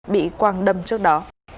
bị quang đâm trước đó